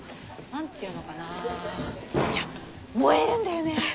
何て言うのかないや燃えるんだよね！